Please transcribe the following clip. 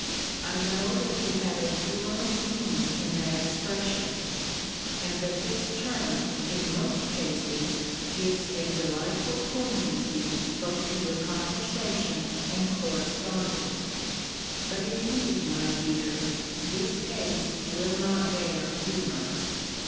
I know that you have a humourous meaning in that expression, and that this turn, in most cases, gives a delightful poignancy both to your conversation and correspondence; but indeed, my dear, this case will not bear humour.